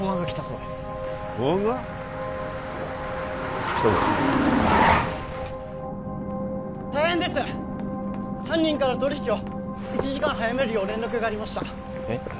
来たぞ大変です犯人から取り引きを１時間早めるよう連絡がありましたえっ？